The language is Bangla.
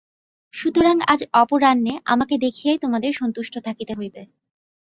সুতরাং আজ অপরাহ্নে আমাকে দেখিয়াই তোমাদের সন্তুষ্ট থাকিতে হইবে।